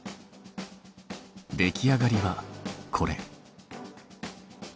出来上がりはこれ。